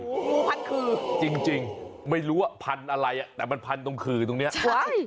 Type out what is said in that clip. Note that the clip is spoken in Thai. งูพันคือจริงไม่รู้ว่าพันอะไรแต่มันพันตรงคือตรงนี้